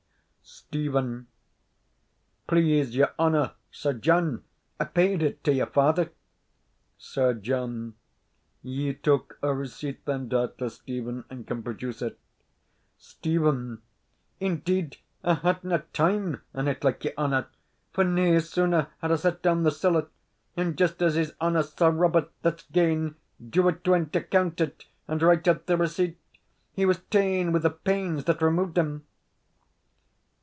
Stephen. Please your honour, Sir John, I paid it to your father. Sir John. Ye took a receipt, then, doubtless, Stephen, and can produce it? Stephen. Indeed, I hadna time, an it like your honour; for nae sooner had I set doun the siller, and just as his honour, Sir Robert, that's gaen, drew it ill him to count it and write out the receipt, he was ta'en wi' the pains that removed him.